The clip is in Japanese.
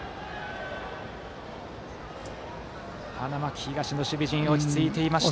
花巻東の守備陣落ち着いていました。